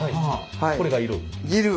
これがいる？